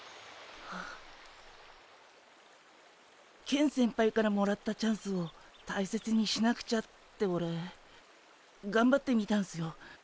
ケン先輩からもらったチャンスを大切にしなくちゃってオレがんばってみたんすよ。